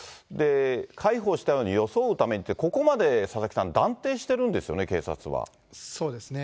介抱したように装うためにって、ここまで佐々木さん、断定してるそうですね。